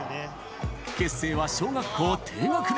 結成は小学校低学年。